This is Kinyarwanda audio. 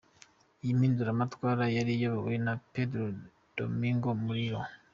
Iyi mpinduramatwara yari iyobowe na Pedro Domingo Murillo.